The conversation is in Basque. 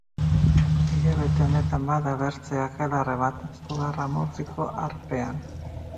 Hilabete honetan bada bertze akelarre bat Zugarramurdiko harpean.